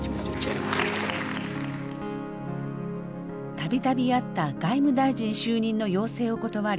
度々あった外務大臣就任の要請を断り